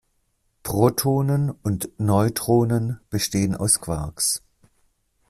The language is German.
Protonen und Neutronen bestehen aus Quarks.